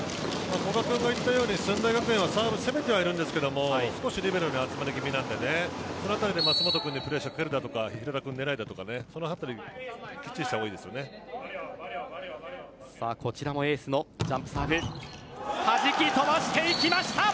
古賀君が言ったように駿台学園はサーブ、攻めてはいるんですが少しリベロに集まり気味なのでそのあたり、舛本君にプレッシャーをかけるだとか平田君狙いだとかその辺りはじき飛ばしていきました。